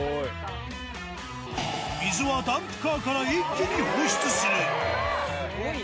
水はダンプカーから一気に放出する。